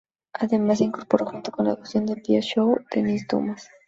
Además, se incorporó junto con la conducción de Pía Shaw, Denise Dumas.